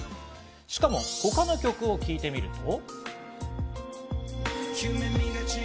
しかも他の曲を聴いてみると。